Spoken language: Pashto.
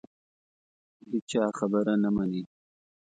د هېچا خبره نه مني